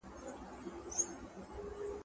تندرستي لویه شتمني ده.